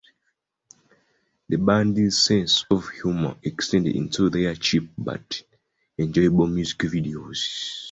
The band's sense of humour extended into their cheap but enjoyable music videos.